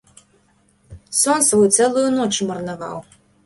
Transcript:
Сон свой цэлую ноч марнаваў.